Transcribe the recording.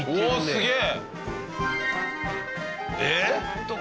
すげえ。